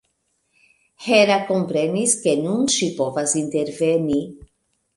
Hera komprenis, ke nun ŝi povas interveni.